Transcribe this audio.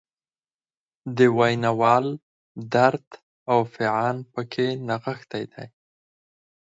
د ویناوال درد او فعان پکې نغښتی دی.